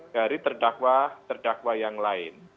dari terdakwa terdakwa yang lain